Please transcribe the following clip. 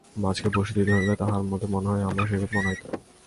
মাছকে বঁড়শি দিয়া ধরিলে তাহার যেমন মনে হয় আমারও সেইরূপ মনে হইত।